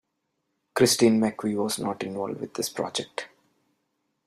Christine McVie was not involved with this project.